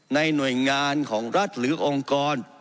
หน่วยงานของรัฐหรือองค์กร